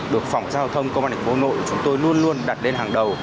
được phó giao thông công an ảnh vô nội chúng tôi luôn luôn đặt lên hàng đầu